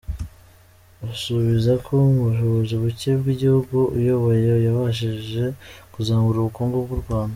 Basubiza ko mu bushobozi bucye bw’igihugu ayoboye yabashije kuzamura ubukungu bw’u Rwanda.